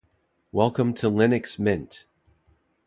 Welcome to Linux Mint!